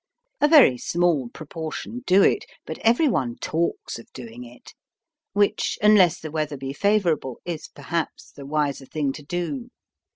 A very small proportion do it, but every one talks of doing it which, unless the weather be favourable, is perhaps the wiser thing to do.